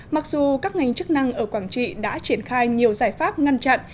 mặc dù các ngành chức năng ở quảng trị đã triển khai nhiều giải pháp ngăn chặn